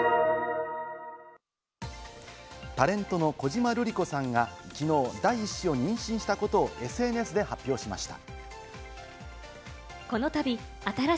タレントの小島瑠璃子さんがきのう第１子を妊娠したことをＳＮＳで発表しました。